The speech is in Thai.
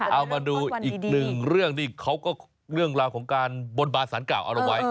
เอามาดูอีกหนึ่งเรื่องนี่เขาก็เรื่องราวของการบนบานสารเก่าเอาเอาไว้